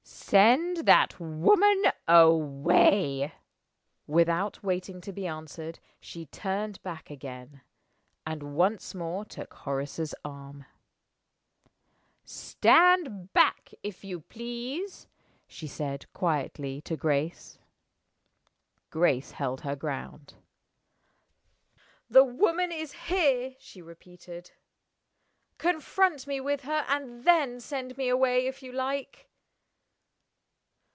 Send that woman away." Without waiting to be answered, she turned back again, and once more took Horace's arm. "Stand back, if you please," she said, quietly, to Grace. Grace held her ground. "The woman is here!" she repeated. "Confront me with her and then send me away, if you like."